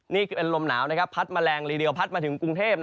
นี่คือเป็นลมหนาวพัดแมลงทีเดียวพัดมาถึงกรุงเทพ